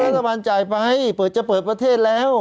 รัฐบาลจ่ายไปจะเปิดประเทศแล้ว